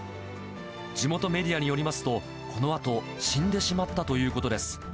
地元メディアによりますと、このあと死んでしまったということです。